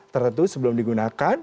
tertentu sebelum digunakan